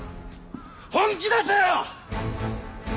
本気出せよ！